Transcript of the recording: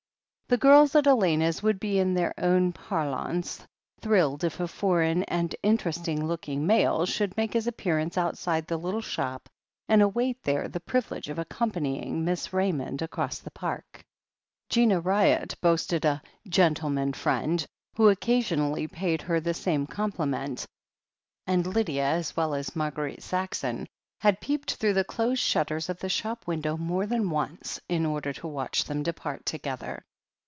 The girls at Elena's would be, in their own parlance, thrilled if a foreign and interesting looking male should make his appearance outside the little shop and await there the privilege of accompan}ring Miss Raymond across the Park. Gina Ryott boasted a "gentleman friend" who occa sionally paid her the same compliment, and Lydia, as well as Marguerite Saxon, had peeped through the closed shutters of the shop window more than once, in order to watch them depart together.